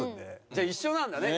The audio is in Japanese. じゃあ一緒なんだね。